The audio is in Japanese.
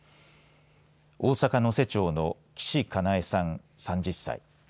大阪・能勢町の岸加奈恵さん３０歳。